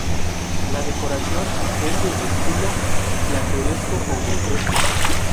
La decoración es de estilo plateresco, con grutescos.